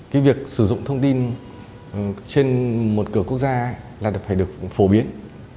cái việc sử dụng thông tin trên một cửa quốc gia là phải được phổ biến